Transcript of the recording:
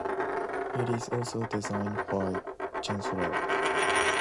It is also designed by Gensler.